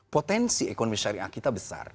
potensi ekonomi syariah kita besar